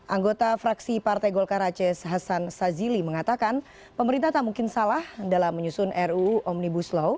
anggota fraksi partai golkar aceh hasan sazili mengatakan pemerintah tak mungkin salah dalam menyusun ruu omnibus law